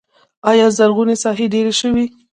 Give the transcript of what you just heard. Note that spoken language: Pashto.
آیا زرغونې ساحې ډیرې شوي؟